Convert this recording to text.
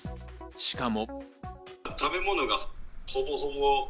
しかも。